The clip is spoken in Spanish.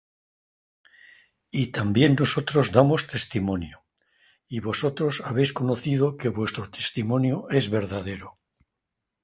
y también nosotros damos testimonio; y vosotros habéis conocido que nuestro testimonio es verdadero.